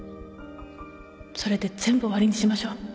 それで全部終わりにしましょう